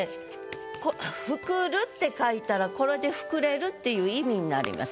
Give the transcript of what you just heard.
「膨る」って書いたらこれで「膨れる」っていう意味になります。